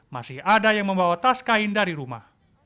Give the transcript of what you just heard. masih ada yang membawa tas kain dari rumah